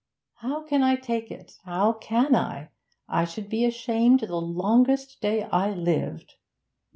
'How can I take it? How can I? I should be ashamed the longest day I lived!'